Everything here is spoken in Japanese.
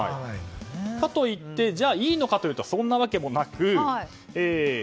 かといってじゃあ、いいのかというとそんなわけもなく。